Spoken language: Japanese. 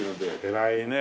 偉いねえ